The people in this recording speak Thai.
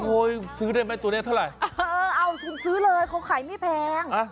โอ้ยสือได้ไหมตัวเนี้ยเท่าไหร่เอ้าสือเลยเขาขายไม่แพง